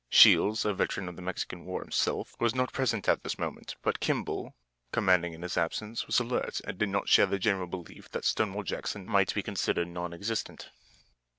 Shields, a veteran of the Mexican war himself, was not present at this moment, but Kimball, commanding in his absence, was alert and did not share the general belief that Stonewall Jackson might be considered non existent.